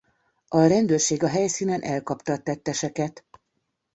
A rendőrség a helyszínen elkapta a tetteseket.